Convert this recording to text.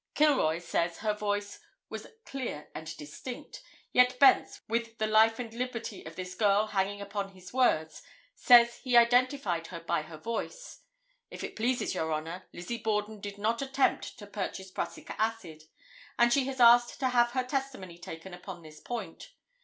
Kilroy says her voice was clear and distinct, yet Bence, with the life and liberty of this girl hanging upon his words, says he identified her by her voice. If it pleases Your Honor, Lizzie Borden did not attempt to purchase prussic acid, and she has asked to have her testimony taken upon this point.